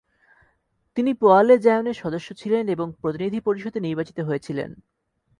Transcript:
তিনি পোয়ালে জায়নের সদস্য ছিলেন এবং প্রতিনিধি পরিষদে নির্বাচিত হয়েছিলেন।